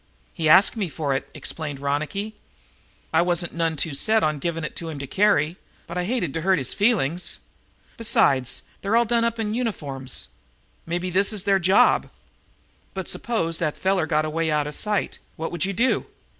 "He asked me for it," explained Ronicky. "I wasn't none too set on giving it to him to carry, but I hated to hurt his feelings. Besides, they're all done up in uniforms. Maybe this is their job." "But suppose that feller got away out of sight, what would you do?